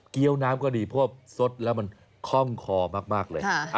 ี้ยวน้ำก็ดีเพราะว่าสดแล้วมันคล่องคอมากเลย